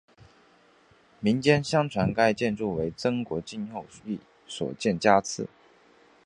民间相传该建筑为曾国荃后裔所建家祠。